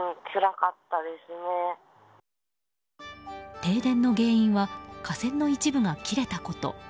停電の原因は架線の一部が切れたこと。